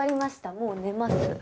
もう寝ます。